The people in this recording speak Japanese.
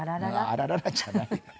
「あららら？」じゃない。